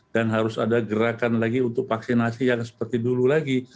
dan harus ada gerakan lagi untuk vaksinasi yang seperti dulu lagi